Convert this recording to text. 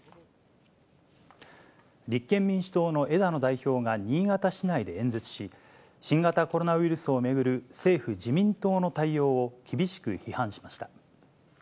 立憲民主党の枝野代表が新潟市内で演説し、新型コロナウイルスを巡る、政府・自民党の対応を厳しく批判しました。